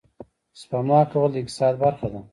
سپما کول د اقتصاد برخه ده